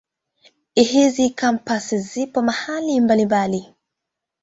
Hizi Kampasi zipo mahali mbalimbali.